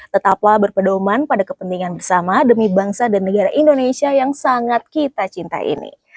tetaplah berpedoman pada kepentingan bersama demi bangsa dan negara indonesia yang sangat kita cinta ini